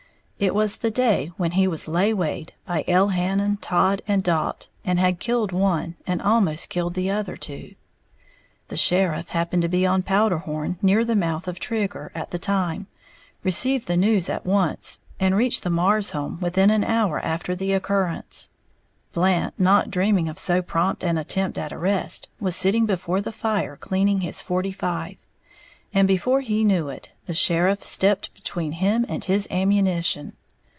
It was the day when he was "laywayed" by Elhannon, Todd and Dalt, and had killed one, and almost killed the other two. The sheriff happened to be on Powderhorn, near the mouth of Trigger, at the time, received the news at once, and reached the Marrs home within an hour after the occurrence. Blant, not dreaming of so prompt an attempt at arrest, was sitting before the fire cleaning his forty five; and before he knew it, the sheriff stepped between him and his ammunition.